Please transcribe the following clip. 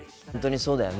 そうよね。